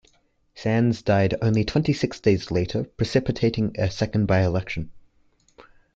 Sands died only twenty-six days later, precipitating a second by-election.